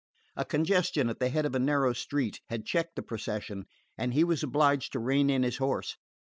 A congestion at the head of a narrow street had checked the procession, and he was obliged to rein in his horse.